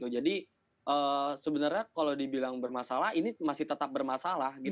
jadi sebenarnya kalau dibilang bermasalah ini masih tetap bermasalah